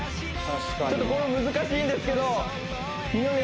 ちょっとこれも難しいんですけど見よう